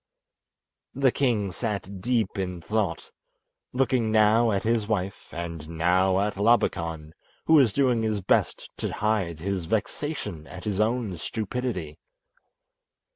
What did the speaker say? The king sat deep in thought, looking now at his wife and now at Labakan, who was doing his best to hide his vexation at his own stupidity.